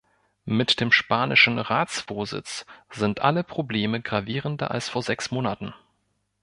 Mit dem spanischen Ratsvorsitz sind alle Probleme gravierender als vor sechs Monaten.